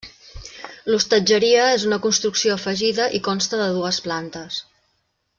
L'hostatgeria és una construcció afegida i consta de dues plantes.